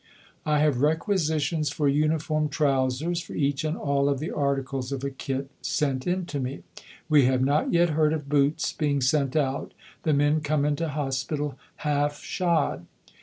I have requisitions for Uniform trousers, for each and all of the articles of a kit, sent in to me. We have not yet heard of boots being sent out; the men come into Hospital half shod.